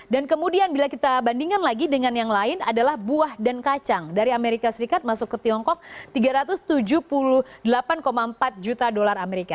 dan kemudian bila kita bandingkan lagi dengan yang lain adalah buah dan kacang dari amerika serikat masuk ke tiongkok tiga ratus tujuh puluh delapan empat juta dolar amerika